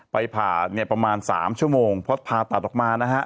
ผ่าเนี่ยประมาณ๓ชั่วโมงเพราะผ่าตัดออกมานะฮะ